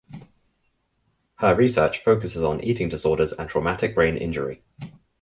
Her research focuses on eating disorders and traumatic brain injury.